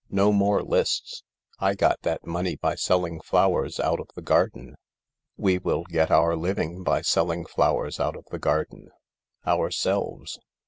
No more lists ! I got that money by selling flowers out of the garden. We will get our living by selling flowers out of the garden. Ourselves.